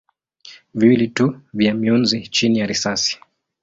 viwili tu vya mionzi chini ya risasi.